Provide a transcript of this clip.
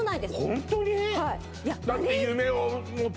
ホントに？